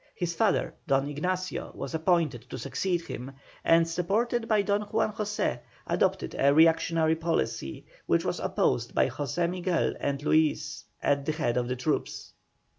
His father, Don Ignacio, was appointed to succeed him, and supported by Don Juan José adopted a reactionary policy, which was opposed by José Miguel and Luis, at the head of the troops.